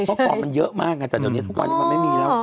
เมื่อก่อนมันเยอะมากไงแต่เดี๋ยวนี้ทุกวันนี้มันไม่มีแล้ว